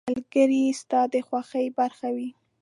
• ملګری ستا د خوښیو برخه وي.